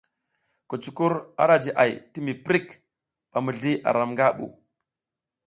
Kucukur ara jiʼay ti mi prik ba mizli aram nga ɓu.